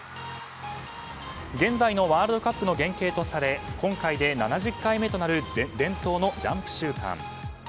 現在のワールドカップの原型とされ今回で７０回目となる伝統のジャンプ週間。